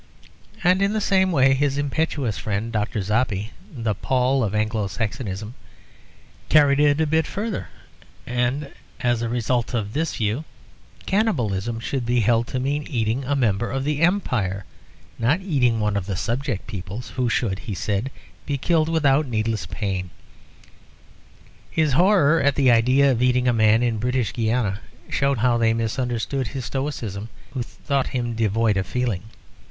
And in the same way his impetuous friend, Dr. Zoppi ("the Paul of Anglo Saxonism"), carried it yet further, and held that, as a result of this view, cannibalism should be held to mean eating a member of the Empire, not eating one of the subject peoples, who should, he said, be killed without needless pain. His horror at the idea of eating a man in British Guiana showed how they misunderstood his stoicism who thought him devoid of feeling.